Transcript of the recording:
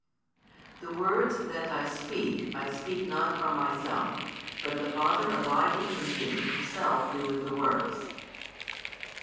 The words that I speak, I speak not from Myself: but the Father abiding in Me Himself doeth the works.